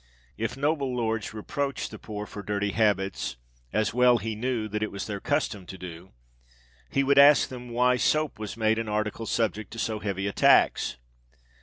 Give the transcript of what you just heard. If noble lords reproached the poor for dirty habits, as he well knew that it was their custom to do, he would ask them why soap was made an article subject to so heavy a tax?